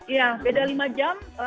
iya beda lima jam